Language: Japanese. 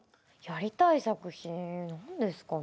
やりたい作品何ですかね。